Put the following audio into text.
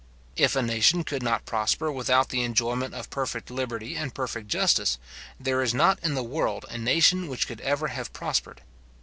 If a nation could not prosper without the enjoyment of perfect liberty and perfect justice, there is not in the world a nation which could ever have prospered.